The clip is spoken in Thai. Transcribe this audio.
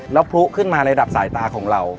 แล้วพลุขึ้นมาระดับสายตาของเรา